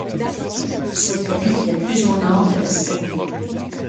C'est la ville la plus au nord de la Serbie.